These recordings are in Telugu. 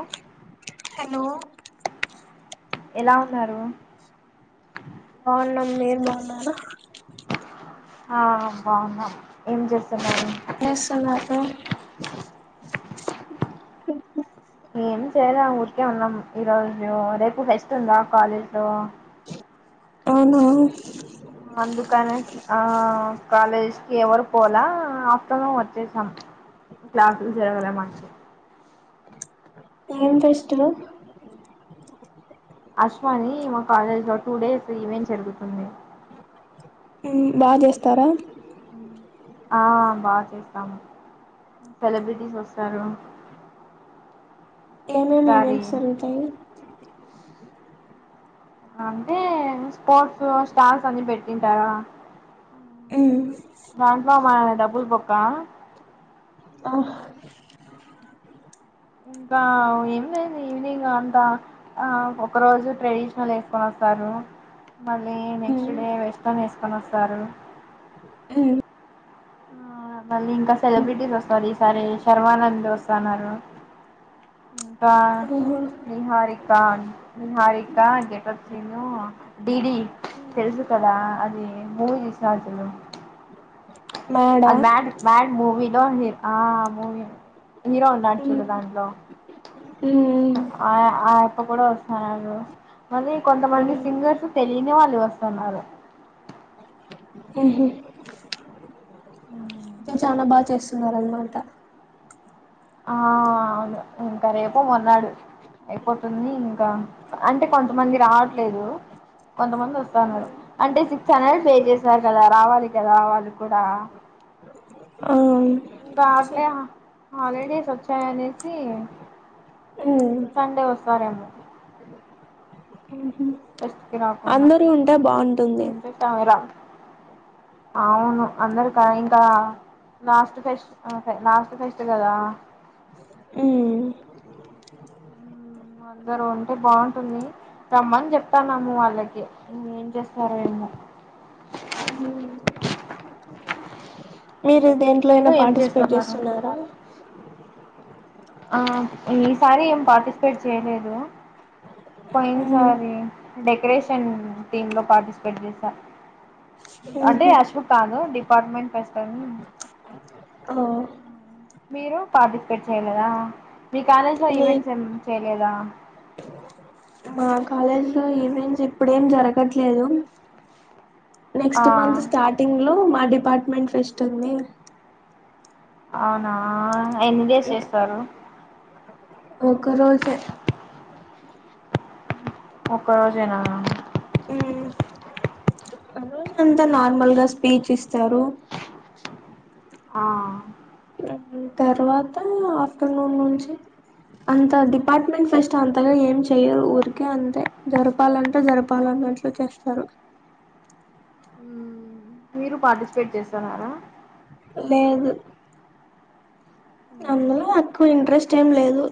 అ హలో ఎలా ఉన్నారు బాగున్నామ్ మీరు బాగున్నారా బావున్నా మ్ ఏం చేస్తున్నార్ ఏం చేస్తున్నావ్ ఏం చేయాల ఊరికే ఉన్నాం ఈ రోజు రేపు ఫెస్ట్ ఉందా కాలేజీ లో అవునా అందుకనే ఆ కాలేజ్ ఎవరు పోలా త్త వచ్చేసాం క్లాసులు జరగలే మంచి ఏం ఫేస్టి వల్ అశ్వాని మా కాలేజ్ లో టూ డేస్ ఈవెంట్ జరుగుతుంది ఉ బాగా చేస్తారా ఆ బాగా ఉన్నాం సెలబ్రిటీస్ వస్తారు ఏమేమి ఈసారి ఈవెంట్స్ జరుగుతాయి. అంటే స్పోర్ట్స్ స్టార్ల్స్ అన్ని పెట్టింటారా. ఉ దాంట్లో మన డబ్బులు బొక్క ఆ ఇంకా ఏమి లేదు. ఈవినింగ్ అంతా ఒక రోజు ట్రెడిషనల్ వేసుకుని వస్తారు. మళ్ళీ నెక్స్ట్ డే వెస్ట్న్ వేసుకొని వస్తారు. మళ్ళీ ఇంకా సెలబ్రిటీస్ వస్తారు. ఈ సారి శర్మానంద్ వ సన్న్నారు ఆహా నిహారికా నిహారికా గెట్ఫ్ సీను డిడి తెలుసు కదా అది. బోజసార్జలు అ అది బ్యాడ్ బ్యాడ్ మూవి. హర్ ఆ మూ హీరో ఉన్నాడు చూడు ధాంట్లో ఆ ఆ అప్ప కూడా సారు మనీ కొంతమంది సింగర్స్ తెలియని వాళ్ళు వస్తున్నారు. ఉహా జనా బస్ చేస్తున్నారనమాట. ఆ అవును ఇంకా రేపు, మొన్నాడు అయిపోతుంది. ఇంకా అంటే కొంతమంది రావ లేదు కొంతమంది వస్తారున్నారు, అంటే సిక్స్ హండ్రెడ్ పే చేసారు కదా. రావాలి కదా రావాలి ఆవు దాట్లే హాలిడేస్ వచ్చాయ అనేసి. సండే వత్తారేమో చస్కి అందరూ ఉంటే బాగుంటుంది రాకుంటమరా [unintelligible] అవును అందరికా ఇంకా లాస్ట్ ఫెస్ట్ నాకు ఫెస్ట్ కదా ఉమ్ [inaudible] అందరూ ఉంటే బాగుంటుంది. రమ్మని చెప్తాన్నాము వాళ్ళకి. ఎం చేస్తున్నారు ఏంటో [unintelligible] మీరు దేంట్లో అయినా పార్టిసిపేట్ చేస్తున్నారు చేస్తున్నారా ఆ ఈసారి ఏం పార్టిసిపేట్ చేయలేదు పోయిన్ ఉమ్ సారి డెకరేషన్ టీమ్ లో పార్టిసిపేట్ చేసా అంటే ఉహు అశ్వో కాను డి పార్మెంట్ [unintelligible] ఆ మీరు పార్టిసిపేట్ చేయలేదా మీ కాలేజ్ లో లే ఈవెంట్స్ ఏం చేయలేదా మా కాలేజ్ లో ఈవెంట్స్ ఇప్పుడేం జరగట్లేదు ఆ నెక్స్ట్ మంత్ స్టార్టింగ్ లో మ డిపార్ట్మెంట్ ఫెస్ట్ ఉంది అవునా ఎన్ని డేస్ చేస్తారు ఒక్క రోజే ఒక్క రోజేనా ఉమ్ రోజు అంతా నార్మల్ గా స్పీచ్ ఇస్తారు ఆ దాని తర్వాత ఆఫ్టర్నూన్ నుంచి అంత డిపార్ట్మెంట్ ఫెస్ట్ అంతగా ఏం చెయ్యరు ఊరికే అంతే జరపాలంటే జరపాలన్నట్లు చేస్తారు హమ్ మీరు పార్టిసిపేట్ చేస్తన్నారా లేదు అందులో నాకు ఇంట్రెస్ట్ ఏం లేదు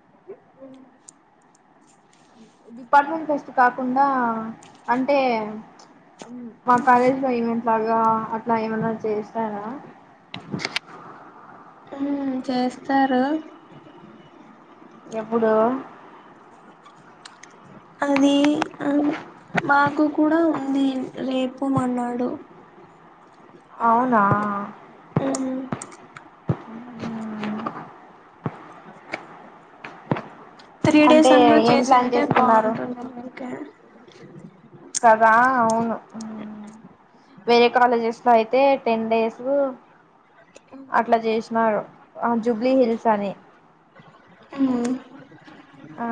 ఉ డిపార్ట్మెంట్ ఫెస్ట్ కాకుండా అంటే మా కాలేజ్ లో ఏం బగా అట్లా ఏమన్నా చేస్తార హమ్ చేస్తారు ఎప్పుడు అది ఆ మాకు కూడా ఉంది రేపు మొన్నడో అవునా అ మ్మ్ త్రీ డేస్ అంటే అన్నా ఏం ప్లాన్ చేసింటే చేసుకున్నారు బాగుంటుంది అందుకే కదా అవును ఉమ్ వేరే కాలేజెస్ లో అయితే టెన్ డేస్ అట్లా చేసినారు ఆ జూబ్లీ హిల్స్ అని అమ్ ఆ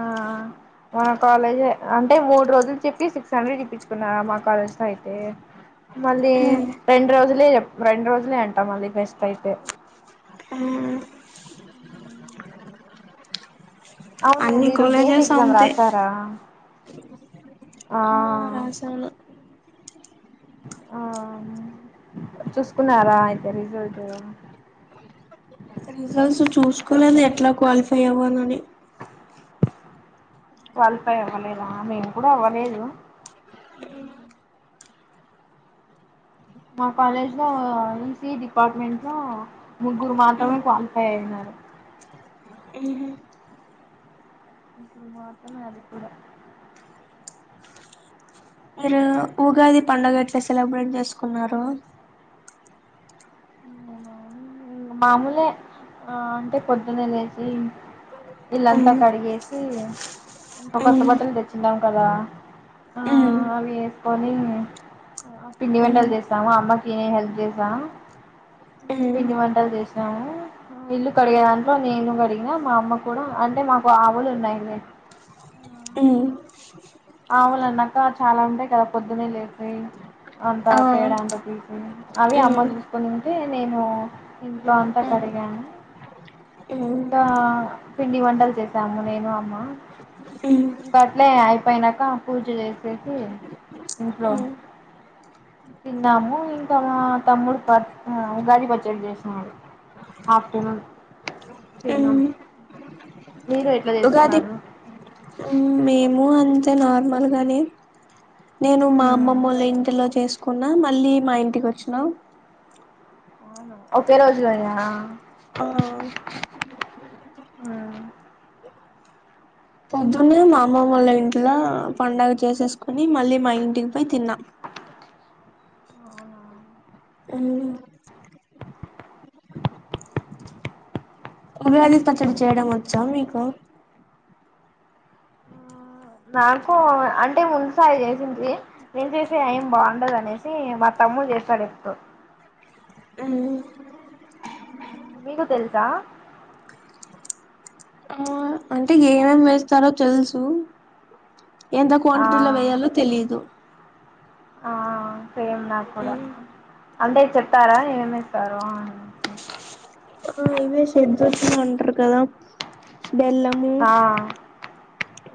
మన కాలేజే అంటే మూడు రోజులు చెప్పి సిక్స్ హండ్రెడ్ ఇప్పించుకున్నారు మా కాలేజ్ లో అయితే మళ్ళీ ఉమ్ రెండు రోజులే చెప్ రెండు రోజులే అంటాం అది బెస్ట్ అయితే ఆ అవును అన్ని మీరు గేట్ కాలేజెస్ ఎగ్జామ్ అంతే రాసారా ఆ రాసాను ఆ చూసుకున్నారా అయితే రిజల్ట్ రిజల్ట్స్ చూసుకోలేదు ఎట్లా క్వాలిఫై మాయ్యమొనాని క్వాలిఫై అవ్వలేదా నేను కూడా అవ్వలేదు మా కాలేజ్లో ఈసీ డిపార్ట్మెంట్ లో ముగ్గురు మాత్రమే క్వాలిఫై అయినారు ఉహు మాత్రం మదికుడా మీరు ఉగాది పండుగ ఎట్లా సెలబ్రేట్ చేసుకున్నారు ఉ మామూలే ఆ అంటే పొద్దునే లేచి ఇల్లాంతా ఉమ్ కడిగెస్ సి కొత్త ఉమ్ బట్టలు తెచ్చిాం కదా అ ఉమ్ అవేసుకొని పిండి ఉమ్ వంటలు చేస్తాము అమ్మకి హెల్ప్ చేసా ఉమ్ పిండి వన్ టలు చేసినము ఇల్లు కడిగే దాంట్లో నేను కడిగిన మా అమ్మ కూడా అంటే మాకు ఆవులు ఉన్నాయి ఉమ్ అవులు అన్నాక చాలా ఉంటాయి కదా పొద్దున్న లేసి అంత ఆ పేడ అంతా తీసి అవి అమ్మ ఉమ్ చూసుకుని ఉంటే నేను ఇంట్లో అంతా ఉమ్ కడిగాను ఉమ్ ఇంకా పిండి వంటలు చేసాము నేను అమ్మ ఇంక అట్లే అయిపోయినాక నంకా పూజ చేసేసి ఇంట్లో తిన్నాము ఇంకా మా తమ్ముడు పర్ ఉగాలి పచ్చడి చేసినడు ఆఫ్టర్నూన్ తిన్నాము ఉగాది హు మేము అన్ నార్మల్గానే నేను మా మ్మ్ అమ్మమ్మోళ్ల ఇంటిలో చేసు కున్నా మళ్ళీ మా ఇంటికి వచ్చినా ఒకే రోజు కదా ఆ పొద్దున్నే మా అమ్మమ్మోళ్ళ ఇంట్ల పడుగ చేసేసుకొని మళ్ళీ మా ఇంటికి పోయి తిన్నా అవునా ఉగాది పచ్చడి చేయడం వచ్చా మీకు నాకు అంటే ముసాయి చేసింది నేను చేసిే ఏం బాగుండదు అనేసి మా తమ్ము చేస్తాడు ఎప్పుడు మీకు తెలుసా ఏం వేస్తారో తేల్సూ ఎంత ఆ క్వాంటిటీ లో వేయాలో తెలిదు ఆ సేమ్ నా కూడా అంటే చెప్పారా ఏమెస్తారో ఆ ఇవే షేడ్రుచులు అంటారు కదా బెల్లము ఆ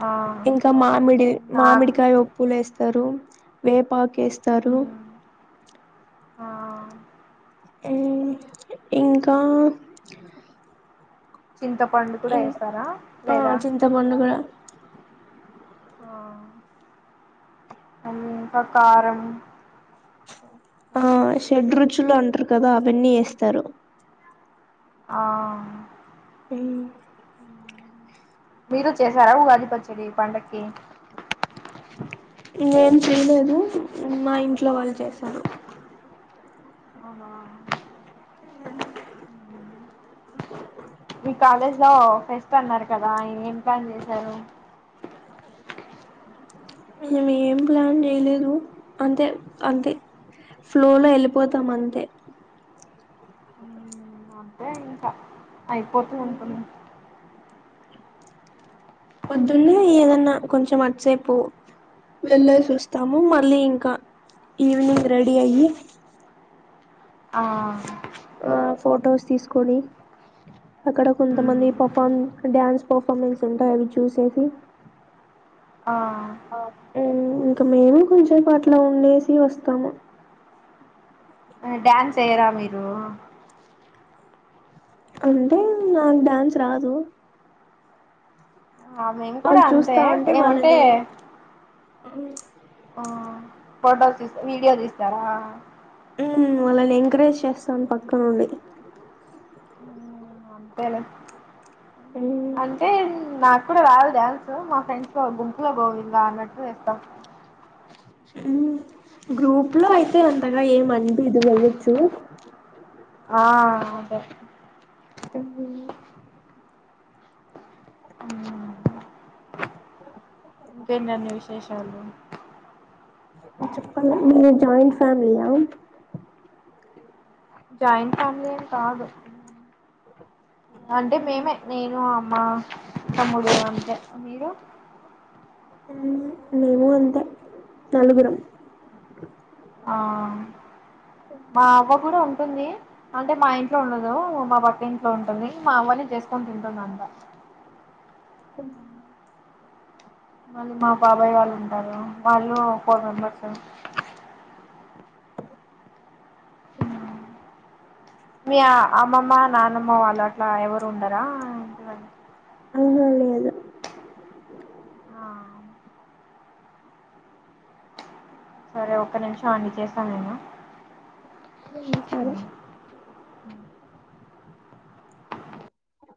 ఆ ఇంకా మామిడి నా మామిడికాయ ఉప్పులెస్ తరు వేపాకి కేస్తారు ఆ ఇంకా చింతపండు కూడా ఇంకా వేస్తారా లేదా చింతపండు కూడా ఆ ఇంకా కారం ఆ షెడ్ రుచులు అంటారు కదా అవన్నీ ఎస్తారు ఆ ఉమ్ మీరు చేశారా ఉగాదిపచ్చడి పండకి నేను చేయలేదు మా ఇంట్లో వాళ్ళు చేసారు అవునా ఉమ్ మీ కాలేజ్ లో ఫెస్ట్ అన్నారు కదా ఆ ఏం ప్లాన్ చేశారు మేము ఏం ప్లాన్ చేయలేదు అంతే అంతే ఫ్లోలో వెళ్ళిపోతాం అంతే అంతే ఇంకా అయిపోతూ ఉంటుంది పొద్దున్నే ఏదన్నా కొంచెం అదిసేపు వెళ్ళేసి వస్తాము మళ్ళీ ఇంకా ఈవినింగ్ రెడీ అయ్యి ఆ ఆ ఫొటోస్ తీసుకొని అక్కడ కొంతమంది ఉమ్ పెర్ఫార్మె డ్యాన్స్ పర్ఫార్మెన్స్ ఉంటాయి అవి చూసేసి ఆ ఉ మ్ ఇంకా మేము కొంచెం పట్లో ఉండేసి వస్తాము డ్యాన్స్ ఏయ్యరా మీరు అంటే నాకు డ్యాన్స్ రాదు ఆ మేము కూడా వాళ్ళు అంతే చూస్తా ఏమంటే ఉమ్ ఆ ఫొటోస్ తీసి వీడియోస్ తీస్తారా ఉమ్ వాళ్ళని ఎంకరేజ్ చేస్తాను పక్కనుండి అంతేలే అంటే నాకు కూడా రాదు డాన్సు మా ఫ్రెండ్స్ ఆ గుంపులో గోవింద అన్నట్టు వేస్తాం ఉమ్ గ్రూప్ లో అయితే అంతగా ఏమనిపియ్యదు వెయ్యచు ఆ అదే ఉమ్ ఉ ఇంకేంటండీ విశేషాలు చెప్పాల మీరు జాయింట్ ఫ్యామిలీయా జాయిట్ ఫ్యామిలి ఏం కాదు అంటే మేమే నేను అ మా తమ్ముడు అంతే మీరు హ్మ్మ్ మేము అంతే నలుగురం ఆ మా అవ్వ కూడా ఉంటుంది అంటే మా ఇంట్లో ఉండదు మా పకింట్లో ఉంటుంది మా అవ్వనె చేసుకుని తింటుందంత అ మళ్ళీ మా బాబాయ్ వాళ్ళుంటారు వాళ్ళు ఫోర్ మెంబర్స్ మీ అమ్మమ్మ నానమ్మ వాళ్ళు అట్లా ఎవరు ఉండరా ఆ ఇంటిదగ్గ అహ లేదు సరే ఒక నిమిషం అండి చేస్థాను నేను ఉమ్ సరే [inaudible]